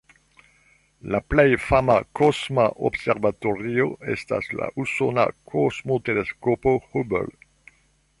La plej fama kosma observatorio estas la usona Kosmoteleskopo Hubble.